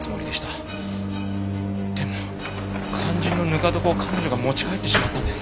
でも肝心のぬか床を彼女が持ち帰ってしまったんです。